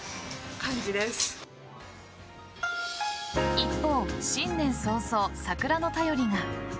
一方、新年早々桜の便りが。